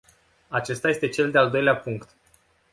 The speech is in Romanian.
Acesta este cel de-al doilea punct.